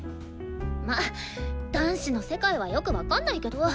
まっ男子の世界はよく分かんないけど！